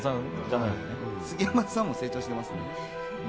杉山さんも成長してますけど。